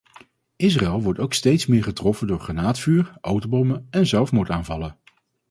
Israël wordt ook steeds meer getroffen door granaatvuur, autobommen en zelfmoordaanvallen.